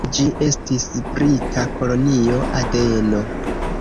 Iam ĝi estis brita Kolonio Adeno.